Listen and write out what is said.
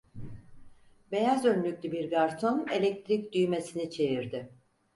Beyaz önlüklü bir garson elektrik düğmesini çevirdi.